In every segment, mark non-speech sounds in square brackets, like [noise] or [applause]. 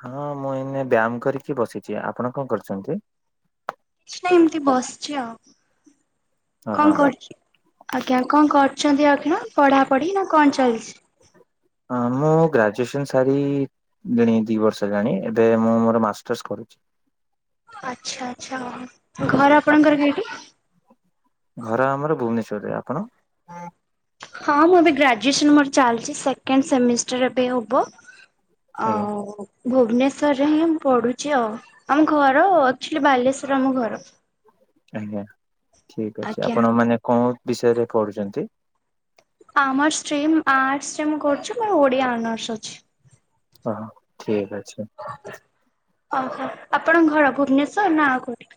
ହଁ ମୁଁ ଏଇନେ ବ୍ୟାମ୍ କରିକି ବସିଚି। ଆପଣ କଁ କରଚନ୍ତି? ଛି ନାଁ ଏମତି ବସଛି ଆଉ। କଁ ଓହୋ କରୁଚ୍ ଆଜ୍ଞା କଁ କରୁଛନ୍ତି ଆପଣ ପଢ଼ାପଢ଼ି ନାଁ କଣ ଚାଲିଚି? [inaudible] ହଁ ମୁଁ ଗ୍ରାଜୁଏସନ୍ ସାରିଲିଣି ଦି ବର୍ଷ ହେଲାଉ ଏବେ ମୁଁ ମୋର ମାଷ୍ଟର୍ସ କରୁଚି। [inaudible] ଆଚ୍ଛା ଆଚ୍ଛା ଘର ଆପଣଙ୍କର କେଇଟି? ଘର ଆମର ଭୁବନେଶ୍ଵରରେ। ଆପଣ? ହଁ ମୁଁ ଏବେ ଗ୍ରାଜୁଏସନ୍ ମୋର ଚାଲଚି ସେକେଣ୍ଡ୍ ସେମିଷ୍ଟର୍ ଏବେ ହବ। ଆଜ୍ଞା ଆଉ ଭୁବନେଶ୍ବରରେ ହିଁ ମୁ ପଢୁ଼ଚି ଆଉ। ଆମ ଘର ଆକ୍ଚୁଲି ବାଲେଶ୍ଵର ଆମ ଘର। ଆଜ୍ଞା ଠିକ ଅଛି ଆଜ୍ଞା ଆପଣ ମାନେ କଁ ବିଷୟରେ ପଢ଼ୁଚନ୍ତି? ଆମ ଷ୍ଟ୍ରିମ୍ ଆର୍ଟସ୍ ରେ ମୁଁ କରୁଚି ମୋର ଓଡ଼ିଆ ଆନର୍ସ ଅଛି। ଅହ ଠିକ ଅଛି। ଅହୋ ଆପଣଙ୍କ ଘର ଭୁବନେଶ୍ଵର ନାଁ ଆଉ କୋଉଠି?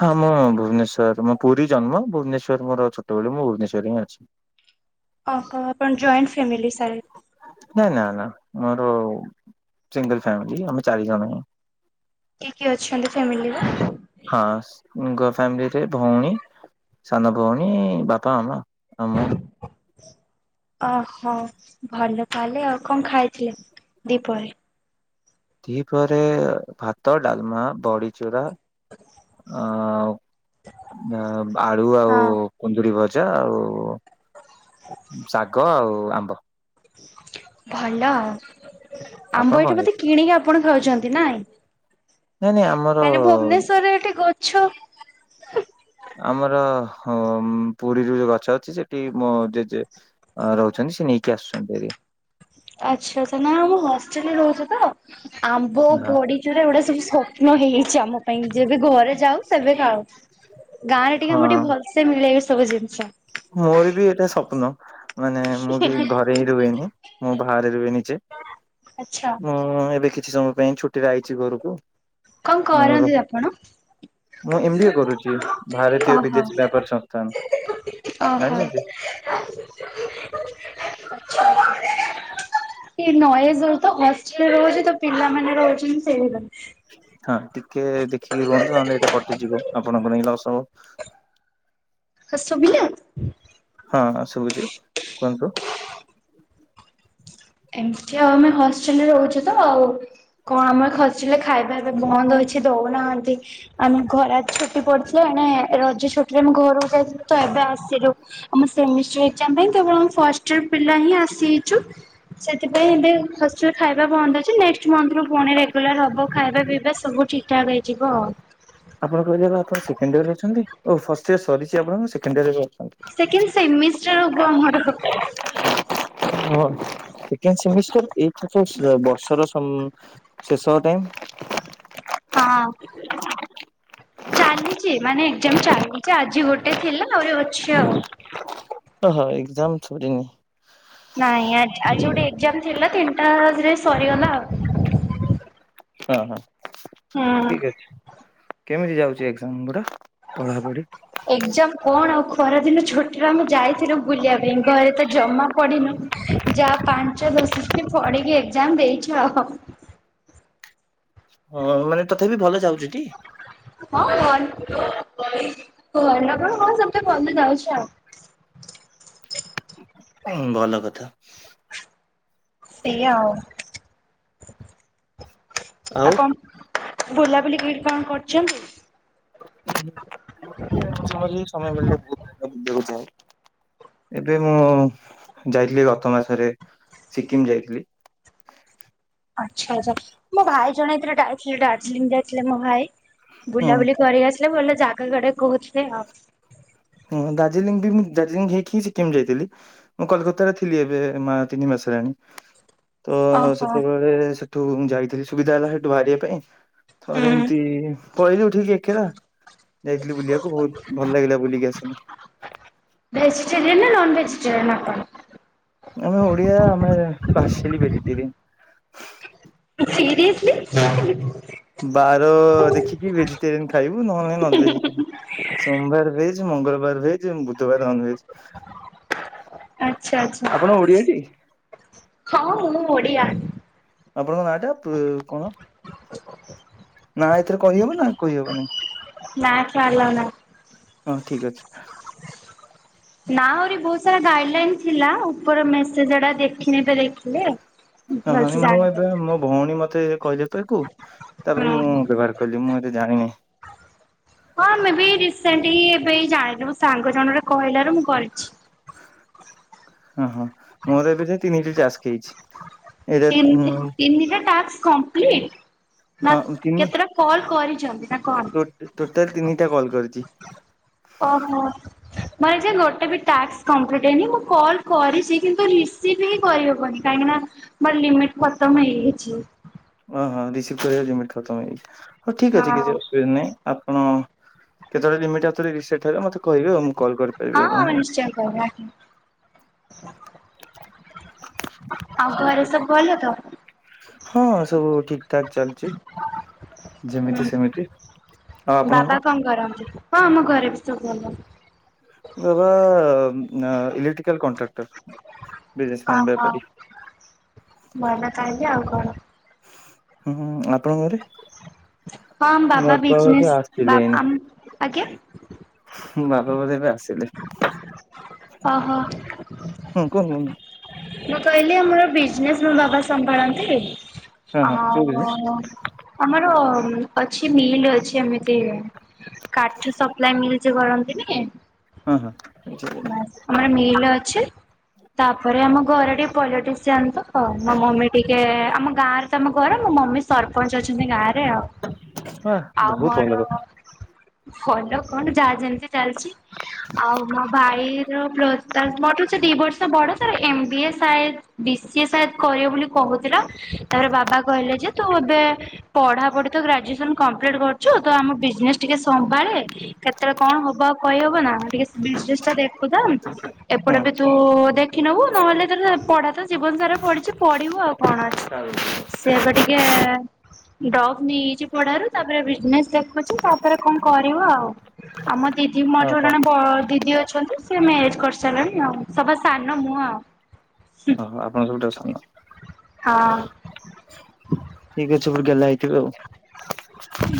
ହଁ ମୁଁ ଭୁବନେଶ୍ଵର ମୁଁ ପୁରୀ ଜନ୍ମ ଭୁବନେଶ୍ୱର ମୋର ଛୋଟ ବେଳୁ ମୁଁ ଭୁବନେଶ୍ୱରରେ ହିଁ ଅଛି। ହଁ ଅହ ଆପଣ ଜଏଣ୍ଟ୍ ଫ୍ୟାମିିଲ ସାଏଦ୍। ଏ ନାଁ ନାଁ ମୋର ସିଙ୍ଗିଲ୍ ଫ୍ୟାମିଲି ଆମେ ଚାରି ଜଣ । କିଏ କିଏ ଅଛନ୍ତି ଫ୍ୟାମିଲିରେ? ହଁ ସ୍ ଗ ଫ୍ୟାମିଲିରେ ଭଉଣୀ ସାନ ଭୋଉଣୀ ବାପ ମାମା ଆଉ ମୁଁ। [inaudible] ଅହ ଭଲ ତାହେଲେ, ଆଉ କଁ ଖାଇଥିଲେ ଦିପହରେ? ଦିହିପହରେ ଭାତ ଡାଲମା ବଡ଼ି ଚୁରା ଆ ହ ଦା ଆଳୁ ଆଉ ହଁ। କୁନ୍ଦୁରି ଭଜା ଆଉ ଶାଗ ଆଉ ଆମ୍ବ ଭଲ ଆପଣ ଆମ୍ବ କଣ ଏଇଠୁ ବୋଧେ ଖାଇଥିଲେ? କିଣିକି ଆପଣ ଖାଉଛନ୍ତି ନାଇଁ? ନାଇଁ ନାଇଁ ଆମର କାଇଁ ନା ଭୁବନେଶ୍ଵରରେ ଏଠି ଗଛ ହୁଁ ଆମର ହମ୍ ପୁରୀରୁ ଯୋଉ ଗଛ ଅଛି ସେଠି ମୋ ଜେଜେ ରହୁଛନ୍ ସେ ନେଇକି ଆସୁଚନ୍ତି ଏରି। ଆଚ୍ଛା ତା ନାଁ ମୁଁ ହଷ୍ଟେଲରେ ରୋଉଚି ତ ଆମ୍ବ ବଡ଼ି ଚୁରା ଏଉଡ଼ା ସବୁ ସପ୍ନ ହେଇଯାଇଚି ଆମ ପାଇଁ ଯେବେ ଘରେ ଯାଉ ସେବେ ଖାଉ। ଗାଁରେ ଟିକେ ହଁ ଆମୁ ଟିକେ ଭଲସେ ମିଳେ ଏ ସବୁ ଜିନିଷ। ମୋର ବି ଏଇଟା ସପ୍ନ ମାନେ ମୁଁ ବି ଘରେ ହିଁ ରୁହେନି ମୁଁ ବାହାରେ ରୁହେ ନି ଜେ ଆଚ୍ଛା। ମୁଁ ଏବେ କିଛି ସମୟ ପାଇଁ ଛୁଟିରେ ଆଇଚି ଘରୁକୁ। କଁ କରନ୍ତି ଆପଣ? ମୁଁ ଏମ୍ ବି ଏ କରୁଚି ଭାରତୀୟ ଓହୋ ବିଦେଶ ବ୍ୟାପାର ସଂସ୍ଥାନ୍। ଓହୋ ଆଛା, ଏ ନଏଜରେ ତ ହଷ୍ଟେଲରେ ରହୁଛି ତ ପିଲାମାନେ ରହୁଛନ୍ତି ସେଇ ହଁ ଟିକେ ଦେଖିକି ରୁହନ୍ତୁ ନହେଲେ ଏଇଟା କଟିଯିବ ଆପଣଙ୍କୁ ନେଇ ଅସବ ତ ଶୁଭିଲା। ହ ଏମତି ଆଉ ଆମେ ହଷ୍ଟେଲରେ ରହୁଛୁ ତ ଆଉ କଣ ଆମର ହଷ୍ଟେଲରେ ଖାଇବାଏବେ ବନ୍ଦ ହେ କିଛି ଦଉନାହାନ୍ତି ଆମେ ଖରା ଛୁଟି ପଡିଥିଲା ଏଣେ ରଜ ଛୁଟିରେ ଆମେ ଘରକୁ ଯାଇଥିଲୁ ଏବେ ଆସିଲୁ ଆମେ ସେମିଷ୍ଟାର ଏକ୍ଜାମ ପାଇଁ କେବଳ ଆମେ ଫାଷ୍ଟୟର ପିଲାହିଁ ଆସିଚୁ। ସେଥିପାଇଁ ଏବେ ଫାଷ୍ଟ ୟର ପିଲା ଖାଇବା ବନ୍ଦ ଅଛି ନେଷ୍ଟ ମନ୍ଥରୁ ପୁଣି ରେଗୁଲାର ହବ ଖାଇବା ପିଇବା ସବୁ ଠିକ ଠାକ ହେଇଯିବ ଆଉ ଆପଣ କହିଲେ ବା ଆପଣ ସେକେଣ୍ଡ ଇୟରରେ ଅଛନ୍ତି ଓ ଫାଷ୍ଟୟର ସରିଛି ଆପଣ ସେକେଣ୍ଡ ଇୟର ସେକେଣ୍ଡ ସେମିଷ୍ଟାର ହବ ଆମର। ହଁ, ସେକେଣ୍ଡ ସେମିଷ୍ଟାର ଏଇ ବର୍ଷର ଶେଷ ଟାଇମ। ହଁ ଅଁ, ଚାଲିଛି ମାନେ ଏକ୍ଜାମ ଚାଲିଛି ଆଜି ଗୋଟେ ଥିଲା ଆହୁରି ଅଛି ଆଉ। ଓ ହ ଏକ୍ଜାମ ସରିିନି। ନାଇଁ ଆଜି ଗୋଟେ ଏକ୍ଜାମ ଥିଲା ତିନିଟାଜିରେ ସରିଗଲା ଆଉ। ହଁ ହଁ ହୁଁ। ଠିକ ଅଛି କେମିତି ଯାଉଛି ଏକ୍ଜାମ ଗୁଡା। ପଢାପଢି ଏକ୍ଜାମ କଣ ଆଉ ପରଦିନ ଛୁଟିରେ ଆମେ ଯାଇଥିଲୁ ବୁଲିବା ପାଇଁ ଘରେ ତ ଜମା ପଢ଼ିନୁ ଯାହା ପାଞ୍ଚ ପଢିକି ଏକ୍ଜାମ ଦେଇଛୁ ଆଉ। [inaudible] ହଁ ମାନେ ତଥାପି ଭଲ ଯାଉଚ ଟି? ହଁ କର ନକର ସେମିତି ଭଲରେ ଯାଉଚି ଆଉ ହଁ [inaudible] ହ ଭଲ କଥା, ସେଇଆ ଆଉ ଆଉ ଆପଣ ବୁଲାବୁଲି କି କଣ କରୁଛନ୍ତି? ମଝି ମଝିରେ ସମୟ ମିଳିଲେ ବୁଲିବାକୁ ଯାଏ। ଏବେ ମୁଁ ଯାଇଥିଲି ଗତ ମାସରେ। ସିକିମ ଯାଇଥିଲି। ଆଚ୍ଛା ଆଚ୍ଛା ମୋ ଭାଇ ଜଣେଇଥିଲେ ଯାଇଥିଲେ ଡାର୍ଜିଲିଂ ଯାଇଥିଲେ ମୋ ଭାଇ। ହୁଁ ବୁଲାବୁଲି କରି ଆସିଲେ ଭଲ ଜାଗା କୁଆଡେ କହୁଥିଲେ ଆଉ। ହଁ ଦାର୍ଜିଲିଂ ବି ମୁଁ ଦାର୍ଜିଲିଂ ହେଇକି ହିଁ ସିକିମ୍ ଯାଇଥିଲି ମୁଁ କଲକାତ ଥିଲି ଏବେ ମା ତିନି ମାସ। ଆସିଲାଣି ତ ଓହୋ ସେତେବେଳେ ସେଠୁ ଯାଇଥିଲି। ସୁବିଧା ହେଲା ସେଇଠୁ ବାହାରିବା ପାଇଁ ଥରେ ହୁଁ। ଏମିତି ପଳେଇଲି ଉଠିକି ଏକେଲା। ଯାଇଥିଲି ବୁଲିବାକୁ ବହୁତ ଭଲ ଲାଗିଲା ବୁଲିକି ଆସିଲି। ଭେଜିଟେରିୟାନ ନା ନନ୍ ଭେଜିଟେରିୟାନ ଆପଣ,? ଆମେ ଓଡିଆ ଆମେ ପାସିଲି ଭେଜିଟେରିଆନ, । ସିରିଏସ୍ଲି, ବାର ଦେଖିକି ଭେଜିଟେରିୟନ ଖାଇବୁ ନହେଲେ ନନ ଭେଜିଟେରି ସୋମବାର ଭେଜ ମଙ୍ଗଳବାର ଭେଜ ବୁଧବାର ନନ ଭେଜ। ଆଛା ଆଛା ହଁ ମୁଁ ଓଡିଆ, ଆପଣଙ୍କ ନାଟା କଣ? ନା ଏଥିରେ କହିହବ ନା କହିହବନି? ନା ଫାଁ ଆଲାଉ ନାହିଁ। ହଁ ଠିକ ଅଛି। ନା ଆହୁରି ବହୁତ ସାରା ଗାଇଡ ଲାଇନ୍ ଥିଲା ଉପର ମେସେଜଡା ଦେଖିନିତ ଦେଖିଲେ। ହଁ ହ ଭଲସେ ମୁଁ ଏବେ ଜାଣିପାରିବି ମୋ ଭଉଣୀ ମତେ କହିିଲ ତ କ ହୁଁ ତାପରେ ମୁଁ ହୁଁ ବ୍ୟବହାର କଲିି ମୁଁ ଏତେ ଜାଣିନି ହଁ ମୁ ବି ରିସେଣ୍ଟ ହ ଏବେ ଜାଣିଲୁ ସାଙ୍ଗ ଜଣ ର କହିଲାରୁ ମୁଁ କରିଛି ହ ହଁ ମୋର ଏବେ ତିନିଟି ଚାଷ ଖଛି ତିନିଟା ଟା କପ୍ଟ ନା ହଁ ତିନି କେତେଟା କଲ କରି ଟୋ ଟୋଟା ତିନିଟା କଲ କରୁଛି ଓହୋ ମୋର ଏ ଗୋଟେ ବି ଟାକ୍ କମ୍ପ୍ଲିଟ୍ ହେଇନି ମୁଁ କଲ୍ କରିଛି କିନ୍ତୁ ରିସିଭ୍ ହିଁ କରିହବନି କାହିଁକି ନା ମର ଲିମିଟ ଖତମ ହେଇଯାଇଛି ଓହଁ ରିସିଭ କରିବାମି ଖମ ହେଇଯାଇଛି ହଉ ଠିକ୍ ଅଛି କିଛି ହଁ ଅସୁବିଧା ନାହିଁ ଆପଣ କେତେବେଳେ ଲମିଟ୍ଉଥ ରିେଟ ହେିବ ମତେହିବେ ଆ ମୁଁ କଲ୍ କରିପାରିବି ହଁ ଆମେ ଆପଣଙ୍କୁ ନିଶ୍ଚୟ କ ଆଉ ଠିକ୍ ଘରେ ଅଛି। ସବୁ ଭଲ ତ ହଁ ସବୁ ଠିକ ଠାକ ଚାଲିଛି ହୁଁ ଯେମିତି ସେମିତି ଆଉ ଆପଣଙ୍କର? ବାବା କଣ କରନ୍ତି ହଁ ମୁମ ଘରେ ବି ଜ ବାବା ଇଲେକ୍ଟ୍ରିକଲ କଣ୍ଟ୍ରାକ୍ଟର ହ ବିଜନେସମ୍ୟାନ ହ ବ୍ୟାପାରୀ ଭଲ କାହିଁକି ଆଉ କଣ ହୁଁ ହୁଁ ଆପଣଙ୍କହରେ ହଁମ ବାବା ବିଜନ ଆସିଲେ ଆ ଆଜ୍ଞା ବାପ ବଧବେ ଆସିଲେ ଓହୋ ହୁଁ କୁହ କୁନ ମୁଁ କହିଲି ମୋର ବିଜନେସ୍ ମୋ ବାବା ସମ୍ଭାଳନ୍ତି ହଁ କୋଉ ଆଉ ବିଷୟ? ଆମର ଅଛି ମିଲ୍ ଅଛି ଏମିତି କାଠ ସପ୍ଲା ମିଲ୍ ଯେ କରନ୍ତିନି ହଁ ହଁ ଆମର ମିଲ ଅଛି ତାପରେ ଆମ ଘରଟି ପଲିଟିସିଆନ୍ ତ ମୋ ମମି ଟିକେ ଆମ ଗାଁରେ ତମ ଘର ମୋ ମମି ସରପଞ୍ଚ ଅଛନ୍ତି ଗାଁରେ ରେ ଆଉ ଆ ଆଉ ବହୁତ ମୋର ଭଲ କଥା ଭଲ କଣ ଯାହା ଯେମିତି ଚାଲିଛି ଆଉ ଫାଇ ପ୍ଲୁ ଦି ବର୍ଷ ବଡ ତ ଏମ ବି ଏ ସ ବି ସିଏ ସ କଢ କରୁଛୁ ତ ଆମ ବିଜନେସ ଟିକେ ସମ୍ଭାଳେ କେତେବେଳେ କଣ ହବ ଆଉ କହିହବ ନା ଟିକେ ଟା ଦେଖୁଥା ଏପଟେ ହୁଁ। ବି ତୁ ଦେଖ ଶଖ ନେବୁ ନହେଲେ ତା ପଢ଼ା ତ ଜୀବନ ସାରା ପଢିଛି ପଢ଼ିବୁ ଆଉ କଣ ଅଛି ସେ ଏବେ ଟିକେ ଡବ ନେଇଯାଇଛି ପଢାରୁ ତାପରେ ବିଜନେସ ଦେଖୁଛି ତାପରେ କଣ କରିବ ଆଉ ଆଉ ମ ତିଠି ମୋ ଛୋ ଓହୋ ଜଣେ ଏ ଅଛନ୍ତି ସେ ମ୍ୟାରେଜ କରିସାରିଲାଣି ଆଉ ସଭା ସାନ ମୁହଁ ଆଉ ଓ ଆପଣ ସବୁ ଟ ସାଙ୍ଗ ହଁ ଠିକ ଅଛି ପୁର ଗଲା ହେଇଥିବେ ଆଉ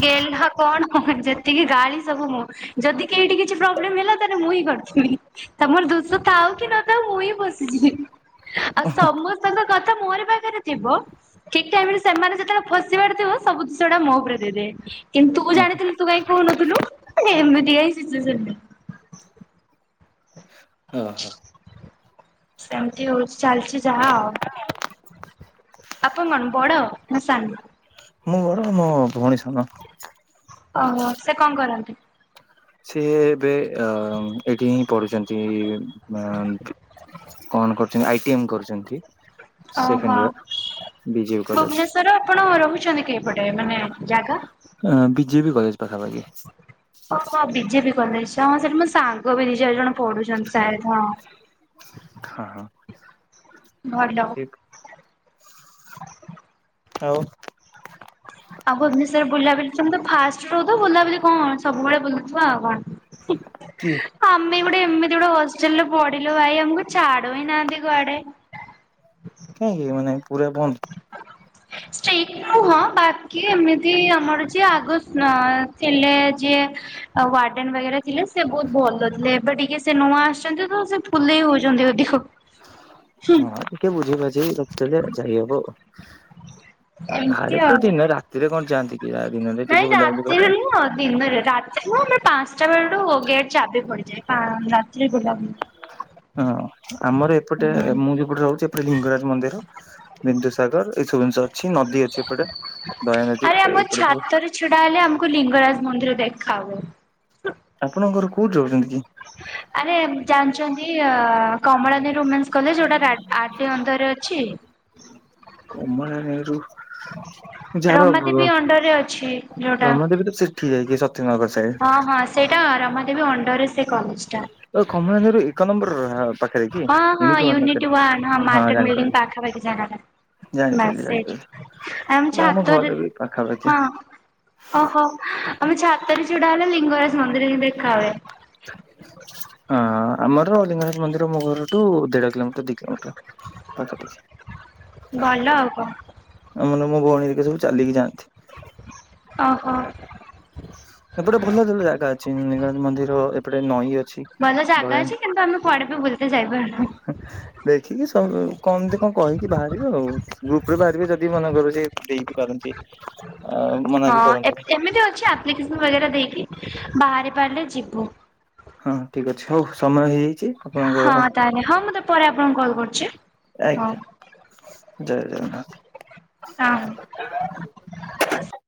ଗଲ କଣ ଯେତିକି ଗାଳି ସବୁ ମୁଁ ଯଦି କେଠି କିଛି ପ୍ରୋବ୍ଲେମ ହେଲା ତାେଲେ ମୁଁ ହିଁ ତାମର ଦୋଷ ଥାଉ କି ନଥାଉ ମୁଁ ହିଁ ବସିଛିି ଆଉ ସମସ୍ତଙ୍କ କଥା ମୋରି ପାଖରେ ଥିବ ଠିକ ଟାଇମ ରେ ସେମାନେ ଯେତେବେଳେ ଫସିବାର ଥିବ ସବୁ ଦିଷ ଟା ମୋ ଉପରେ କିନ୍ତୁ ତୁ ଜାଣିଥିଲୁ ତୁ କାଇହିଁ କହୁନଥିଲୁ ଏମିତି କଁୁ ଓହୋ ସେମିତି ହଉଛି ଚାଲିଛି ଯାହା ଆଉ ଆପଣ କଣ ବଡ ମ ସାନ ଦଣି ସନା ଓହୋ ସେ କଣ କରନ୍ତି ସିଏ ଏବେ ଅ ଏଠି ହିଁ ପଢୁଛନ୍ତି ଟି ମନ୍ କଣ କରୁଛନ୍ତି ଆଇ ଟି ଏମ କରୁଛନ୍ତି? ଓହୋ। Second year? BJP college Bhubaneswar ଆପଣ ରହୁଛନ୍ତି କି ପଟେ ମାନେ ଜାଗା? ଅ ବି ଜେ ବିି କଲେଜ୍ ପାଖା ପାଖି। ଓ ବିଜେପି କଲେଜ ହଁ ସେଠି ମୋ ସାଙ୍ଗ ବି ଦି ଚାରି ଜଣ ପଢୁଚନ୍ତି ସାର୍ ହଁ ହଁ ଭଲ ହଁ ଆଉ ଆଉ ଭୁବନେଶ୍ୱର ବୁଲାବୁଲି ତମେ ଫାଷ୍ଟରୁ ତ ବୁଲାବୁଲି କଣ ସବୁବେଳେ ବୁଲୁଥିବ ଆଉ କଣ। କି ଆମ ଆମ ଗୋଟେ ଏମିତି ଗୋଟେ ହଷ୍ଟେଲରେ ପଢିଲୁ ଭାଇ ଆମକୁ ଛାଡୁ ହି ନାହାନ୍ତି କୁଆଡେ। କାହିଁକି ମାନେ ପୁରା ବନ୍ଦ? ଷ୍ଟ୍ରିଟ୍ ନୁହଁ ବାକି ଏମିତି ଆମର ଯିଏ ଆଗ ନା ଥିଲେ ଯିଏ ୱାର୍ଡେନ ବଗେରା ଥିଲେ ସେ ବହୁତ ଭଲଥିଲେ ବା ଟିକେ ସେ ନୂଆ ଆସିଛନ୍ତି ତ ସେ ଫୁଲେଇ ହଉଛନ୍ତି ଅଧିକ। ହଁ ଟିକେ ବୁଝେଇ ବାଝି ରଖିଦେଲେ ଯାଇହବ ଆଉ। ଏମିତି ହାରେ କେ ଆଉ। ଦିନ ରାତିରେ କଣ ଯାଆନ୍ତି କି ଦିନ ନାଇଁ ରାତିରେ ନୁହଁ ଦିନରେ ରାତିରେ ଆମର ପାଞ୍ଚଟା ବେଳୁ ଗେଟ ଚାବି ପଡିଯାଏ। ହଁ [unintelligible] [inaudible] ହଁ ଆମର ଏପଟେ ମୁଁ ଯୋପଟେ ରହୁଛି ଏପଟେ ଲିଙ୍ଗରାଜ ମନ୍ଦିର ବିନ୍ଦୁସାଗର ସବୁ ଜିନିଷ ଅଛି ନଦୀ ଅଛି ଏପଟେ ଦୟା ନଦୀ ଆରେ ତ ଆମ ଏପଟେ ସବୁ ଛାତରେ ଛିଡା ହେଲେ ଆମକୁ ଲିଙ୍ଗରାଜ ମନ୍ଦିର ଦେଖ ଖା ହୁଏ। ଆପଣଙ୍କର କୋଉଠି ରହୁଛନ୍ତି କି? ଆରେ ଜାଣିଛନ୍ତି ଅ କମଳା ନ ରୋମାସ କଲେ ଯୋଉଟା ଆରଡି ଅଣ୍ଡରରେ ଅଛି? କମଳା ନେହେରୁ ଯାହାର ବୁ ରମାଦେବୀ ର ଅଣ୍ଡରରେ ଅଛି ଯୋଉଟା। ରମାଦେବୀ ତ ସେଠି ଯାଇକି ସ ହଁ ହଁ ସେଇଟା ରମାଦେବୀ ଅଣ୍ଡରରେ ସେ କଲେଜ ଟା। କମଳା ନେହେରୁ ଏକ ନମ୍ବର ପାଖରେ କି ହଁ ହଁ ୟୁନିଟ ୱାନ ପାଖରେ ୟୁନିଟିୱନ୍ ହଁ ମାର୍କେଟ ବିଲ୍ଡିଙ୍ଗ ପାଖାପଖି ଯଣା ଜାଣିପାରିଲି ମେସେଜ ଜାଣିପାରିଲି ଆ ଆମ ଚ୍ଛାତରେ ଘର ବି ପାଖାପାଖି ହଁ ଓହୋ ଆମେ ଛାତରେ ଛିଡା ହେଲେ ଲିଙ୍ଗରା ହଁ ଆମ ଲିଙ୍ଗରାଜ ମନ୍ଦିର ମୁରୁୁ ଦେଢ କିଲୋମିଟ ଦି କିଲୋମିଟର ପାଖାପାଖି ଭଲ ଆଉ କଣ। ଆ ମୋ ଭଉଣୀ ହେତିକା ସବୁ ଚାଲିକି ଯାଆନ୍ତି। ଓହୋ। ଏପଟେ ଭଲ ଭଲ ଜାଗା ଅଛି ଲିଙ୍ଗରାଜ ମନ୍ଦିର ଏପଟେ ନଈ ଅ ଅଛି ଭଲ ଜାଗା ଦୟାନ ଅଛି କିନ୍ତୁ ଆମେ କୁଆଡେ ବି ବୁଲିତେ ଯାଇପାରୁନୁ। ଦେଖ ଠିକ ସ ବ କମତି କଣ କହିକି ବାହାରିବେ ଆଉ ଗ୍ରୁପରେ ବାହାରିବେ ଯଦି ମନେ କର ସେ ଦେଇକି ପାରନ୍ତି ଆ ମନା ବି ହଁ କରନ୍ତିନି ଏମିତି ଅଛି ଆପ୍ଲିକସନ ବାଗେରା ଦେଇକି ବାହାରି ପାରିଲେ ଯିବୁ। ହଁ ଠିକ୍ ଅଛି ହଉ ସମୟ ହେଇଯାଇଛି। ଆପଣଙ୍କର ହଁ ତାହେଲେ ହଁ ମୁଁ ତ ପରେ ଆପଣଙ୍କୁ କଲ୍ କରୁଛି। ହଉ ଆଜ୍ଞା ଜୟ ହଁ। ଜଗନ୍ନାଥ। [inaudible]